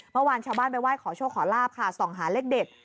เมื่อวานชาวบ้านไปไห้ขอโชคขอลาบค่ะส่องหาเลขเด็ด